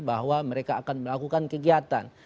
bahwa mereka akan melakukan kegiatan